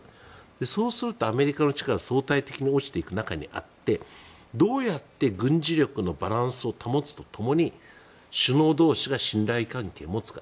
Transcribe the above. そうするとアメリカの力相対的に落ちてくる中にあってどうやって軍事力のバランスを保つとともに首脳同士が信頼関係を持つか。